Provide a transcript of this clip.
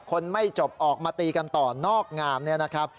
คนไม่จบออกมาตีกันต่อนอกงานเนี่ยนะครับ